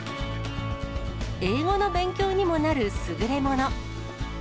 英語の勉強にもなる優れもの。